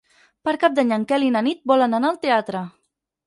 Per Cap d'Any en Quel i na Nit volen anar al teatre.